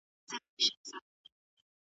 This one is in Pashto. غمونــــه دي ګاللي